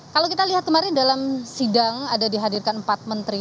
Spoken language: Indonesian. kalau kita lihat kemarin dalam sidang ada dihadirkan empat menteri